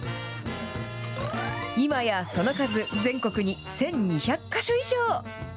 今やその数、全国に１２００か所以上。